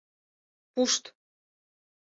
Пушт!..